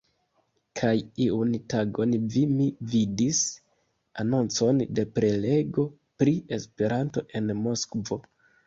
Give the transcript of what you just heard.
Kaj iun tagon vi mi vidis anoncon de prelego pri Esperanto en Moskvo.